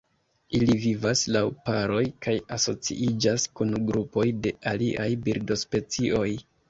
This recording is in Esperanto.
Ili vivas laŭ paroj kaj asociiĝas kun grupoj de aliaj birdospecioj.